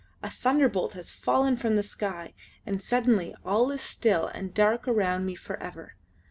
A thunderbolt has fallen from that sky, and suddenly all is still and dark around me for ever.